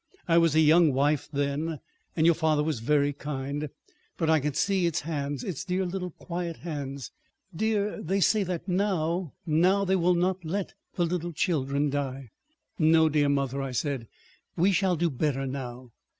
I was a young wife then, and your father was very kind. But I can see its hands, its dear little quiet hands. ... Dear, they say that now—now they will not let the little children die." "No, dear mother," I said. "We shall do better now."